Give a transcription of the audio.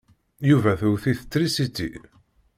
Yuba tewwet-it trisiti.